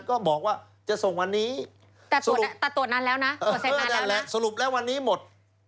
ก็บอกว่าจะส่งวันนี้สรุปเออนั่นแหละสรุปแล้ววันนี้หมด